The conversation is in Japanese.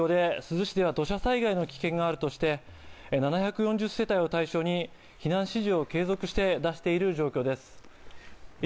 また、この雨の影響で珠洲市では土砂災害の危険があるとして、７４０世帯を対象に避難指示を継続して出している状況です。